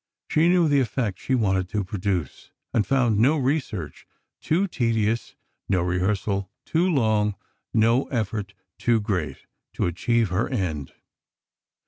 She knew the effect she wanted to produce, and found no research too tedious, no rehearsal too long—no effort too great, to achieve her end.